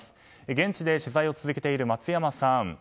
現地で取材を続けている松山さん。